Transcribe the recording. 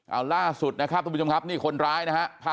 เอาล่าสุดนะครับทุกผู้ชมครับนี่คนร้ายนะฮะ